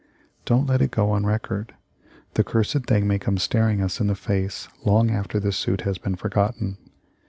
Don't let it go on record. The cursed thing may come staring us in the face long after this suit has been forgotten."